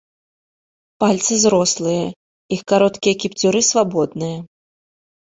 Пальцы зрослыя, іх кароткія кіпцюры свабодныя.